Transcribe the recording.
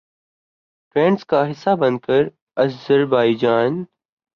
trends کا حصہ بن کر آذربائیجان